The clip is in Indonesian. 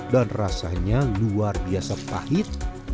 dan rasanya luar biasa pahit